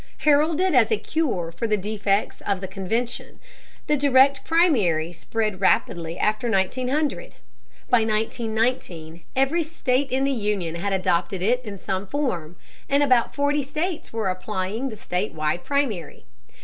Heralded as a cure for the defects of the convention, the Direct Primary spread rapidly after 1900. By 1919 every state in the Union had adopted it in some form, and about forty states were applying the state wide primary.